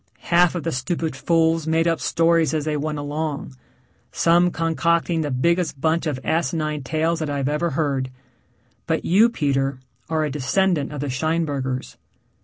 Half of the stupid fools made up stories as they went along some concocting the biggest bunch of asinine tales that I've ever heard. But you, Peter, are a descendant of the Scheinbergers.